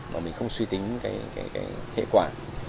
mà mình không suy tính cái hệ quả